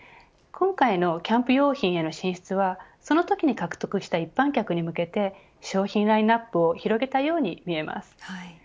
今回のキャンプ用品への進出はそのときに獲得した一般客に向けて商品ラインアップを広げたように見えます。